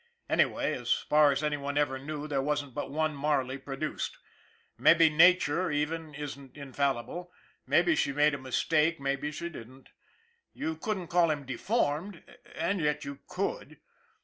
Anyway, as far as any one ever knew, there wasn't but one Marley produced. Maybe nature, even, isn't in fallible ; maybe she made a mistake, maybe she didn't. You couldn't call him deformed and yet you could